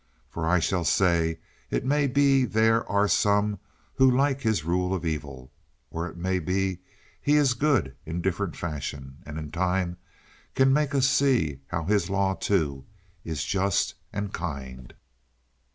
For I shall say it may be there are some who like his rule of evil. Or it may be he is good in different fashion, and in time can make us see that his law too, is just and kind.